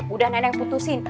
udah nenek putusin